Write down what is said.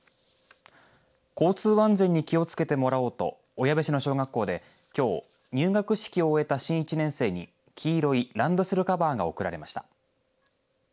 交通安全に気をつけてもらおうと小矢部市の小学校で、きょう入学式を終えた新１年生に黄色いランドセルカバーが贈られました。